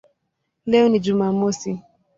Leo ni Jumamosi".